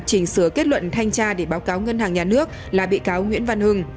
chỉnh sửa kết luận thanh tra để báo cáo ngân hàng nhà nước là bị cáo nguyễn văn hưng